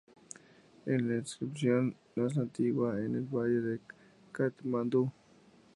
Es la inscripción más antigua en el valle de Katmandú.